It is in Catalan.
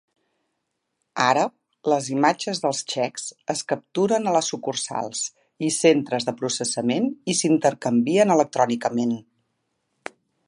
Ara, les imatges dels xecs es capturen a les sucursals i centres de processament i s'intercanvien electrònicament.